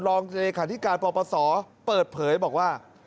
รองเลขาธิการปปศเปิดเผยบอกว่า